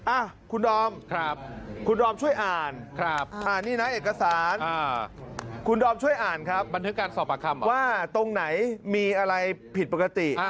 อ่ะคุณดอมคุณดอมช่วยอ่านอ่านนี่นะเอกสารคุณดอมช่วยอ่านครับบันทึกการสอบปากคำว่าตรงไหนมีอะไรผิดปกติ